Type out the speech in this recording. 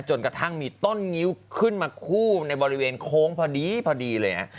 จนกระทั่งมีต้นงิ้วขึ้นมาคู่ในบริเวณโค้งพอดีพอดีเลยฮะ